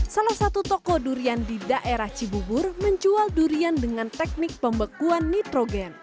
salah satu toko durian di daerah cibubur menjual durian dengan teknik pembekuan nitrogen